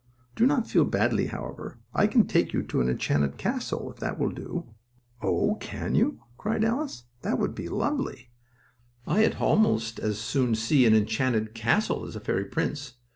Do not feel badly, however. I can take you to an enchanted castle, if that will do." "Oh, can you?" cried Alice. "That will be lovely. I had almost as soon see an enchanted castle as a fairy prince.